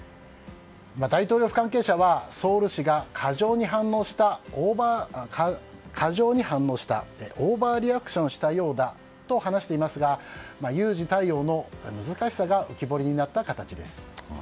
大統領府関係者はソウル市が過剰に反応したオーバーリアクションをしたようだと話していますが有事対応の難しさが浮き彫りになった形です。